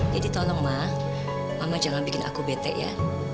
jadi tolong ma mama jangan bikin aku bete ya